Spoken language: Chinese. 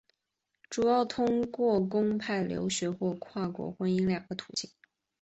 主要通过公派留学或跨国婚姻两个途径。